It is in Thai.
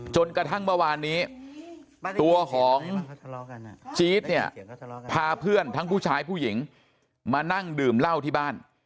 จนกระทั่งเมื่อวานนี้ตัวของจี๊ดเนี่ยพาเพื่อนทั้งผู้ชายผู้หญิงมานั่งดื่มเหล้าที่บ้าน